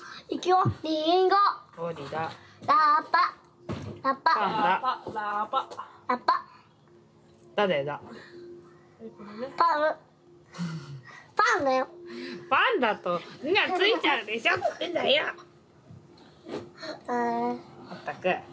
まったく。